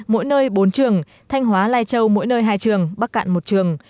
mỗi nơi bốn trường thanh hóa lai châu mỗi nơi hai trường bắc cạn một trường